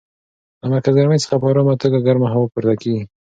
له مرکز ګرمۍ څخه په ارامه توګه ګرمه هوا پورته کېده.